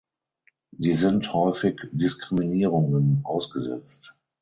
Sie sind häufig Diskriminierungen ausgesetzt.